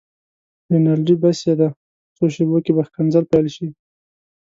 رینالډي: بس یې ده، په څو شېبو کې به ښکنځل پيل شي.